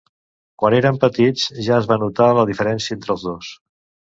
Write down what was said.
Quan eren petits ja es va notar la diferència entre els dos.